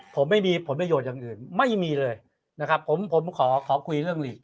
ผมไม่มีผลประโยชน์อย่างอื่นไม่มีเลยนะครับผมผมขอขอคุยเรื่องหลีก